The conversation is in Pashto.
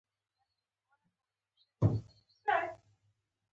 د قیصر دا اثر خود نوشت ژوندلیک دی.